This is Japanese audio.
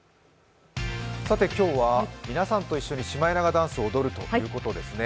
今日は皆さんと一緒にシマエナガダンスを踊るということですね。